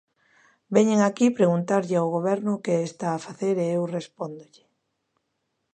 Veñen aquí preguntarlle ao Goberno que está a facer e eu respóndolle.